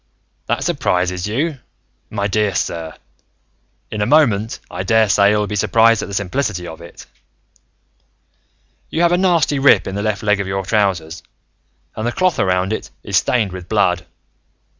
"That surprises you, my dear sir? In a moment, I daresay you'll be surprised at the simplicity of it. "You have a nasty rip in the left leg of your trousers, and the cloth around it is stained with blood.